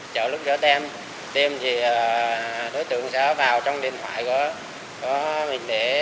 chờ lúc giữa đêm thì đối tượng sẽ vào trong điện thoại của mình để